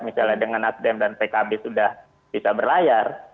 misalnya dengan nasdem dan pkb sudah bisa berlayar